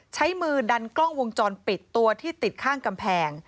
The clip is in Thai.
ใช้มือดันกล้องวงจรปิดตัวที่ติดข้างกำแพง